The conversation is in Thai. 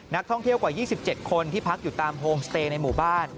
นักท่องเที่ยวกว่า๒๗คนที่พักอยู่ตามโฮมสเตย์ในหมู่บ้าน